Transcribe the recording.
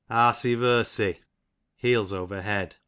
Arsey versey, heels over head.